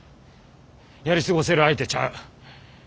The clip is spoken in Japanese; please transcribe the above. やり過ごせる相手ちゃう。